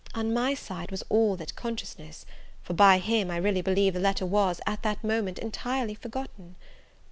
on my side was all that consciousness; for by him, I really believe, the letter was, at that moment, entirely forgotten.